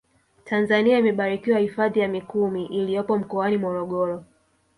tanzania imebarikiwa hifadhi ya mikumi iliyopo mkoani morogoro